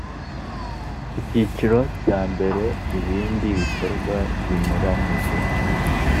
icyiciro cya mbere ibindi bikorwa binyuranyije